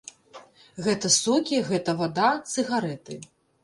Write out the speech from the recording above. Гэта сокі, гэта вада, цыгарэты.